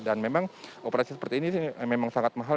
dan memang operasi seperti ini memang sangat mahal